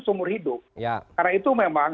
seumur hidup karena itu memang